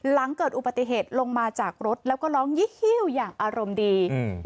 หลังเกิดอุบัติเหตุลงมาจากรถแล้วก็ร้องยี่หิ้วอย่างอารมณ์ดีอืม